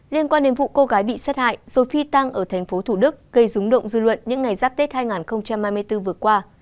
liên quan đến vụ cô gái bị sát hại rồi phi tăng ở thành phố thủ đức gây rúng động dư luận những ngày giáp tết hai nghìn hai mươi bốn vừa qua